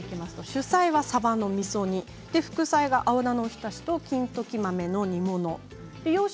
主菜は、さばのみそ煮副菜が青菜のおひたし金時豆の煮物です。